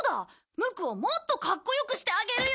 ムクをもっとかっこよくしてあげるよ。